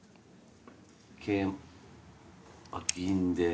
桂あ銀で。